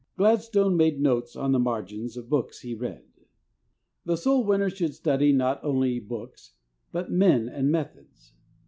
Glad stone made notes on the margins of books he read. The soul winner should study not only books, but men and methods.